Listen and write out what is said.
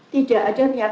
tidak ada niat